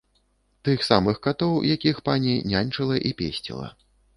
Тых самых катоў, якіх пані няньчыла і песціла.